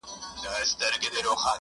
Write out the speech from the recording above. له خپل ځان سره ږغيږي~